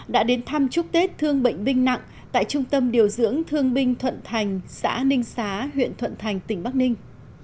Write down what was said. đã đến thăm chúc tết thương bệnh binh nặng tại trung tâm điều dưỡng thương binh thuận thành xã ninh xá huyện thuận thành tỉnh bắc ninh